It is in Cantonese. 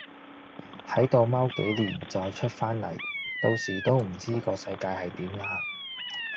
係度踎幾年再出返嚟，到時都唔知個世界係點啦